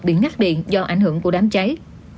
bị ngắt điện do ảnh hưởng của đám cháy